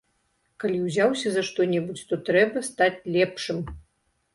Калі ўзяўся за што-небудзь, то трэба стаць лепшым.